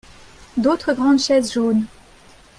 D'autres grandes chaises jaunes.